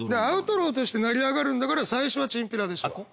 アウトローとして成り上がるんだから最初はチンピラでしょ。